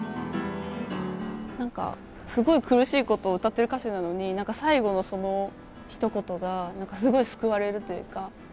すごい苦しいことを歌ってる歌詞なのに最後のそのひと言が何かすごい救われるというか。